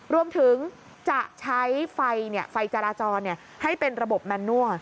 รวมถึงจะใช้ไฟเนี่ยไฟจาราจรเนี่ยให้เป็นระบบแมนนั่ว